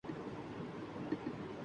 چوہدری نثار علی خان پہ ہنسی آتی ہے۔